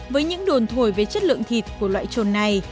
với những đồn thổi về chất lượng thịt của loại trồn này